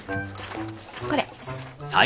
これ。